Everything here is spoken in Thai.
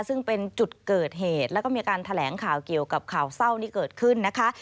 ซึ่งเป็นจุดเกิดเหตุแล้วก็มีการแถลงข่าวเกี่ยวกับข่าวเศร้าที่เกิดขึ้นนะคะ